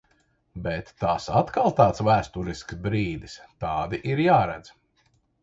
Bet tas atkal tāds vēsturisks brīdis, tādi ir jāredz.